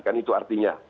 kan itu artinya